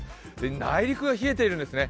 内陸が冷えているんですね。